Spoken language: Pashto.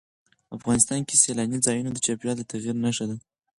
افغانستان کې سیلاني ځایونه د چاپېریال د تغیر نښه ده.